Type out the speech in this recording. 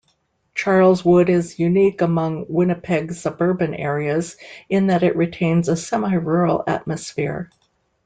Charleswood is unique among Winnipeg's suburban areas in that it retains a semi-rural atmosphere.